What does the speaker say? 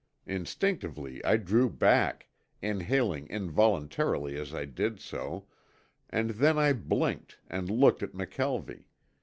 Instinctively I drew back, inhaling involuntarily as I did so, and then I blinked and looked at McKelvie.